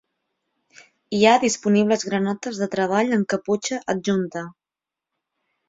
Hi ha disponibles granotes de treball amb caputxa adjunta.